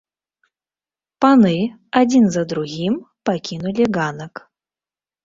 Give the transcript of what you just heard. Паны адзін за другім пакінулі ганак.